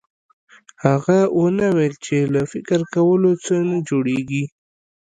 هغه ونه ويل چې له فکر کولو څه نه جوړېږي.